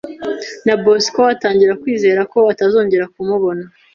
na Bosco atangira kwizera ko atazongera kumubona